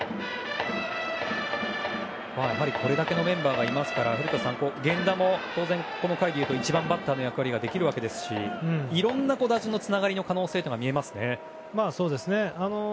これだけのメンバーがいますから古田さん、源田も当然この回は１番バッターの役割ができるわけですしいろんな打順のつながりの可能性が見えますね。